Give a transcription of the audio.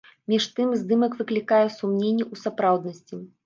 Між тым, здымак выклікае сумненні ў сапраўднасці.